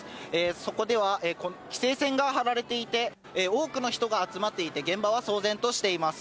そこでは、規制線が張られていて、多くの人が集まっていて、現場は騒然としています。